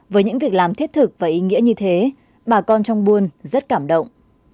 với những việc làm thiết thực và ý nghĩa như thế bà con trong buôn rất cảm động